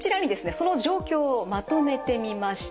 その状況をまとめてみました。